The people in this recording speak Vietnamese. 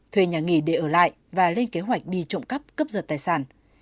thuê nhà nghỉ để ở lại và lên kế hoạch đi trộm cắp cướp giật tài sản